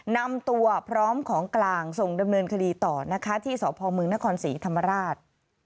นำตัวพร้อมของกลางส่งดำเนินคดีต่อนะคะที่สพมนครศรีธรรมราช